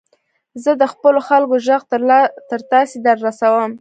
زه د خپلو خلکو ږغ تر تاسي در رسوم.